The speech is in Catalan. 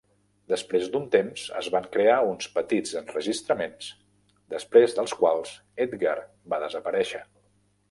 Després d'un temps, es van crear uns petits enregistraments, després dels quals Edgar va desaparèixer.